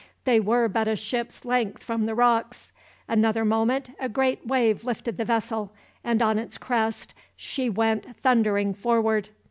They were but a ship's length from the rocks. Another moment a great wave lifted the vessel, and on its crest she went thundering forward.